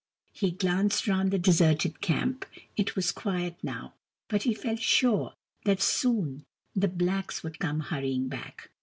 He glanced round the deserted camp. It was quiet now, but he felt sure that soon the blacks would come hurrying back.